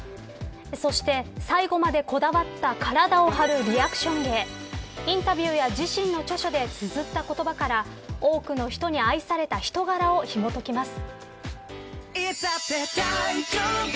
そして、最後までこだわった体を張るリアクション芸インタビューや自身の著書でつづった言葉から多くの人に愛された人柄をひもときます。